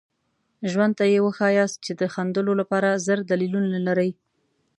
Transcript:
ژوند ته یې وښایاست چې د خندلو لپاره زر دلیلونه لرئ.